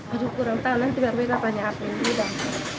baru kurang tahun nanti baru berapa nya api di gudang